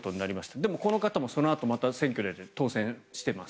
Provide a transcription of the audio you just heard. でもこの方もそのあとまた選挙に出て当選しています。